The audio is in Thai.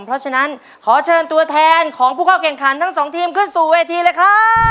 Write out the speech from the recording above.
เพราะฉะนั้นขอเชิญตัวแทนของผู้เข้าแข่งขันทั้งสองทีมขึ้นสู่เวทีเลยครับ